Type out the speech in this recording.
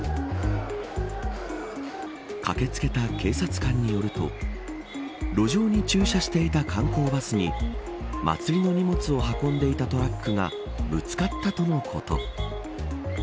駆け付けた警察官によると路上に駐車していた観光バスに祭りの荷物を運んでいたトラックがぶつかったとのこと。